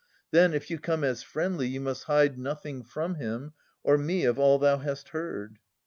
Then, if you come as friendly, you must hide Nothing from him or me of all thou hast heard.